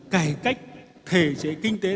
cải cách thể chế kinh tế